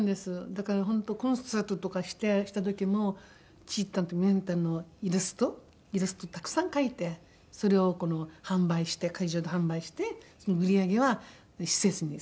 だから本当コンサートとかした時もちーたんとミャンたんのイラストイラストをたくさん描いてそれを販売して会場で販売してその売り上げは施設に。